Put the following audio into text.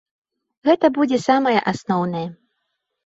Гэта будзе самае асноўнае.